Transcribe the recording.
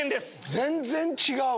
全然違う！